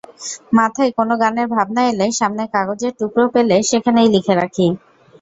মাথায় কোনো গানের ভাবনা এলে সামনে কাগজের টুকরো পেলে সেখানেই লিখে রাখি।